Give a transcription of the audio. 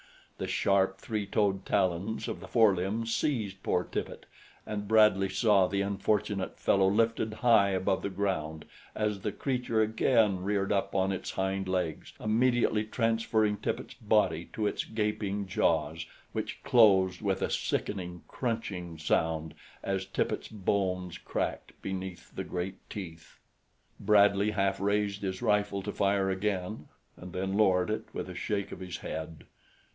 The sharp, three toed talons of the forelimbs seized poor Tippet, and Bradley saw the unfortunate fellow lifted high above the ground as the creature again reared up on its hind legs, immediately transferring Tippet's body to its gaping jaws, which closed with a sickening, crunching sound as Tippet's bones cracked beneath the great teeth. Bradley half raised his rifle to fire again and then lowered it with a shake of his head.